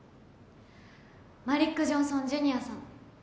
マリック・ジョンソンＪｒ．さん。